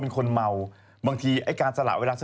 พี่ชอบแซงไหลทางอะเนาะ